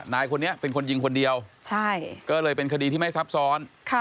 นายคนนี้เป็นคนยิงคนเดียวก็เลยเป็นคดีที่ไม่ซับซ้อน